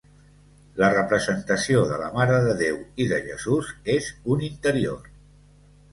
La representació de la Mare de Déu i de Jesús és un interior.